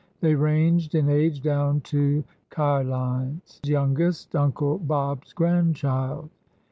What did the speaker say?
They ranged in age down to Cadine's youngest, Uncle Bob's grandchild.